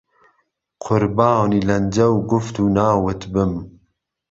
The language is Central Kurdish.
قوربانی لهنجه و گوفت و ناوت بم